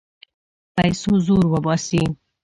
پیسو زور وباسي.